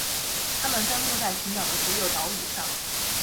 它们分布在群岛的所有岛屿上。